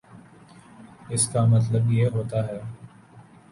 اس کا مطلب یہ ہوتا ہے